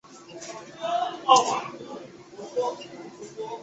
电影收获了普遍影评人的好评。